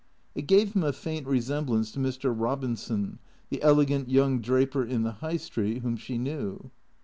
It gave him a faint resemblance to Mr. Eobin son, the elegant young draper in the High Street, whom she knew.